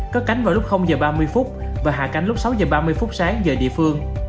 có cánh lúc h ba mươi và hạ cánh lúc sáu h ba mươi sáng giờ địa phương